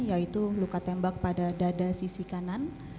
yaitu luka tembak pada dada sisi kanan